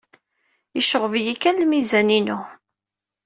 Yecɣeb-iyi kan lmizan-inu.